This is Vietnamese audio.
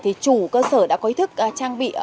thì chủ cơ sở đã có ý thức trang bị